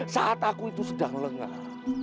saat aku itu sedang lengah